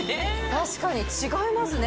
確かに違いますね。